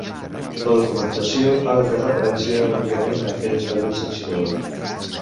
La documentació ha de fer referència únicament a aquell expedient sancionador.